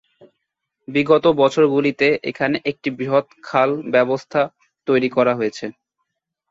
বিগত বছরগুলিতে এখানে একটি বৃহৎ খাল ব্যবস্থা তৈরি করা হয়েছে।